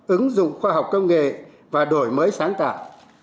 ứng dụng khoa học công nghệ và đổi mới sáng tạo